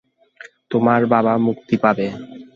তোমার বাবা মুক্তি পাবে।